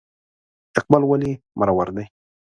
اقبال ولې مرور دی ؟